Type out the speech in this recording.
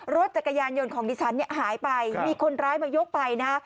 รถจักรยานยนต์ของดิฉันเนี่ยหายไปมีคนร้ายมายกไปนะฮะ